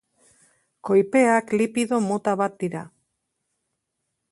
Koipeak lipido mota bat dira.